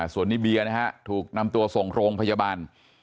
ส่วนนิเบียร์นะฮะถูกนำตัวส่งโรงพยาบาล